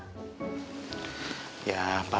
ya papa gak sebelepah